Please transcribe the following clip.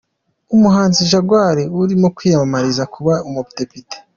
Umuhanzi Jaguar urimo kwiyamamariza kuba umudepite.